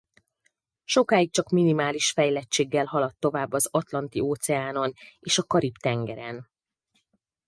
Sokáig csak minimális fejlettséggel haladt tovább az Atlanti-óceánon és a Karib-tengeren.